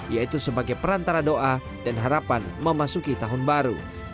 yaitu sebagai perantara doa dan harapan memasuki tahun baru